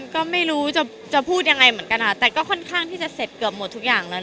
ก็ไม่รู้จะพูดยังไงเหมือนกันค่ะแต่ก็ค่อนข้างที่จะเสร็จเกือบหมดทุกอย่างแล้ว